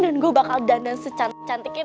dan gua bakal dandan secantik cantikin